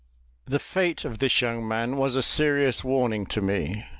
The fate of this young man was a serious warning to me.